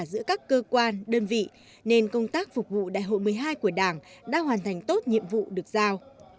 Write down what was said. giữa các cơ quan đơn vị nên công tác phục vụ đại hội một mươi hai của đảng đã hoàn thành tốt nhiệm vụ được giao